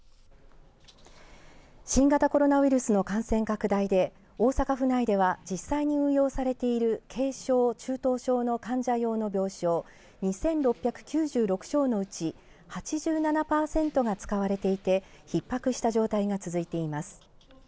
新型コロナウイルスの感染拡大で大阪府内では実際に運用されている軽症・中等症の患者用の病床２６９６床のうち８７パーセントが使われていてひっ迫した状態が続いています。